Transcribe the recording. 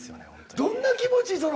どんな気持ち？